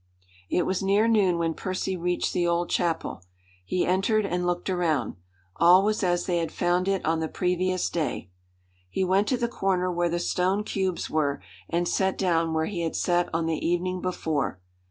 It was near noon when Percy reached the old chapel. He entered and looked around. All was as they had found it on the previous day. He went to the corner where the stone cubes were, and sat down where he had sat on the evening before.